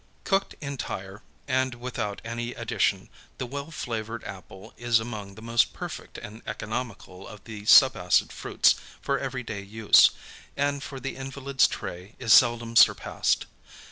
Cooked entire, and without any addition, the well flavored apple is among the most perfect and economical of the subacid fruits for every day use, and for the invalid's tray is seldom surpassed.